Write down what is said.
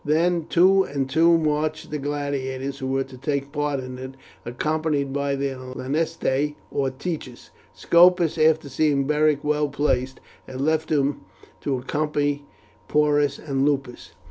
Then, two and two, marched the gladiators who were to take part in it, accompanied by their lanistae or teachers. Scopus, after seeing Beric well placed, had left him to accompany Porus and Lupus.